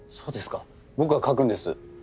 僕は書くんです。